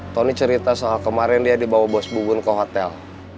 tony cerita soal kemarin dia dibawa bos bubun ke hotel